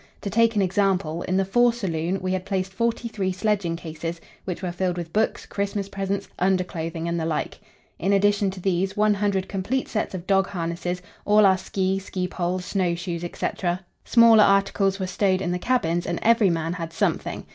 To take an example, in the fore saloon we had placed forty three sledging cases, which were filled with books, Christmas presents, underclothing, and the like. In addition to these, one hundred complete sets of dog harness, all our ski, ski poles, snow shoes, etc. Smaller articles were stowed in the cabins, and every man had something.